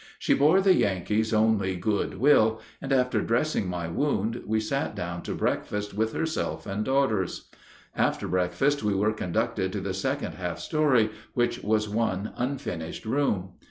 She bore the Yankees only good will, and after dressing my wound we sat down to breakfast with herself and daughters. After breakfast we were conducted to the second half story, which was one unfinished room.